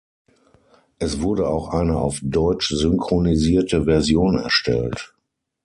Es wurde auch eine auf deutsch synchronisierte Version erstellt.